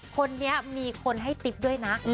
คนนี้มีคนให้ติ๊บด้วยนะ